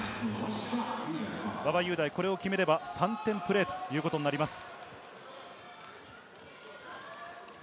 馬場雄大、これを決めれば３点プレーということになります。